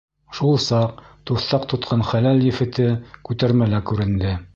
Шул саҡ туҫтаҡ тотҡан хәләл ефете күтәрмәлә күренде.